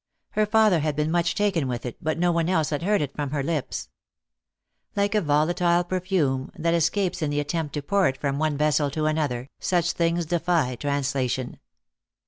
Her father had been much taken with it, but no one else had heard it from her lips. Like a volatile perfume, that escapes in the at tempt to pour it from one vessel to another, such 362 THE ACTRESS IN HIGH LIFE. things defy translation.